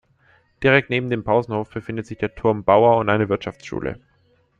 Direkt neben dem Pausenhof befindet sich der Turm Baur und eine Wirtschaftsschule.